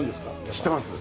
知ってます。